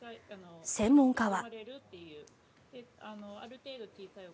専門家は。